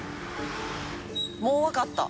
もうわかった。